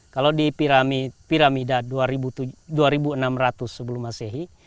kalau di piramida dua ribu enam ratus sebelum masehi